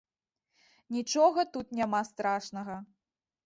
Нічога тут няма страшнага.